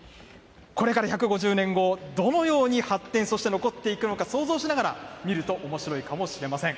これから１５０年後、どのように発展、そして残っていくのか、想像しながら見るとおもしろいかもしれません。